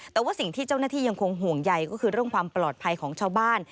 แต่ว่าสิ่งที่เจ้าหน้าที่ยังคงห่วงใยก็คือเรื่องความปลอดภัยของชาวบ้าน